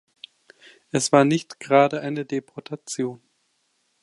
Es war nicht gerade eine Deportation.